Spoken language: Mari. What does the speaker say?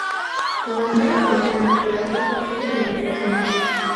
Тыланда, кресаньык-влаклан, лӱмын возымо.